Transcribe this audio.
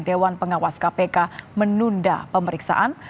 dewan pengawas kpk menunda pemeriksaan